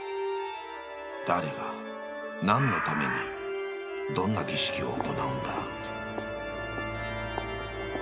［誰が何のためにどんな儀式を行うんだ？］